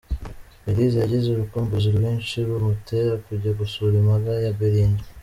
Belise yagize urukumbuzi rwinshi rumutera kujya gusura impanga ye Belinda.